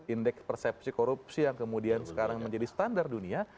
indeks persepsi korupsi yang kemudian sekarang menjadi standar dunia